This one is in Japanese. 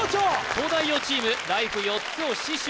東大王チームライフ４つを死守